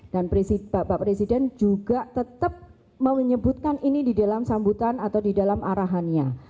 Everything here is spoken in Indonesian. dan bapak presiden juga tetap menyebutkan ini di dalam sambutan atau di dalam arahannya